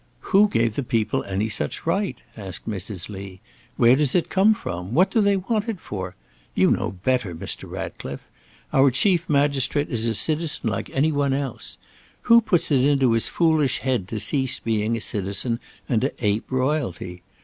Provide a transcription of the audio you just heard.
"Who gave the people any such right?" asked Mrs. Lee. "Where does it come from? What do they want it for? You know better, Mr. Ratcliffe! Our chief magistrate is a citizen like any one else. What puts it into his foolish head to cease being a citizen and to ape royalty?